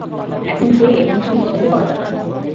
এখন কে এবং কী সেটাই বড় ব্যাপার!